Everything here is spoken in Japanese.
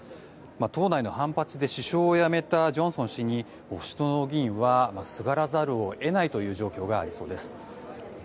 党内の反発で首相を辞めたジョンソン氏に保守党の議員はすがらざるを得ないという状況があるそうです。